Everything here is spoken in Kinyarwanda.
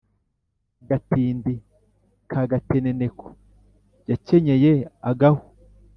Gatindi ka Gateneneko yakenyeye agahu